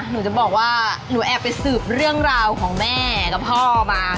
หนูจะบอกว่าหนูแอบไปสืบเรื่องราวของแม่กับพ่อมา